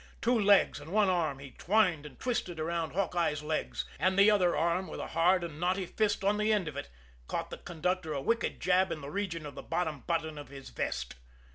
Two legs and one arm he twined and twisted around Hawkeye's legs; and the other arm, with a hard and knotty fist on the end of it, caught the conductor a wicked jab in the region of the bottom button of the vest.